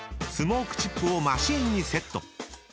［スモークチップをマシンにセット］